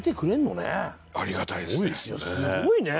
すごいね！